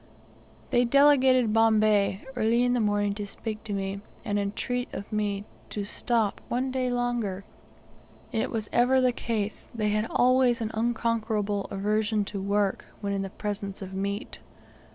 They delegated Bombay early in the morning to speak to me, and entreat of me to stop one day longer. It was ever the case; they had always an unconquerable aversion to work, when in presence of meat.